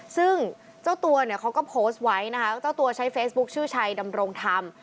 ซึ่งเจ้าตัวเนี่ยเขาก็โพสต์ไว้นะคะเจ้าตัวใช้เฟซบุ๊คชื่อชัยดำรงธรรม